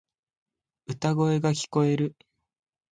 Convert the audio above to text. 歌声が聞こえる。